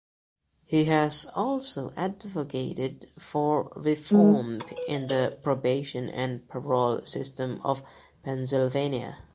He has also advocated for reform in the probation and parole system of Pennsylvania.